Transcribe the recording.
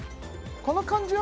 この感じは？